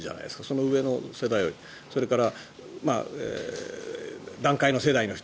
その上の世代それから団塊の世代の人。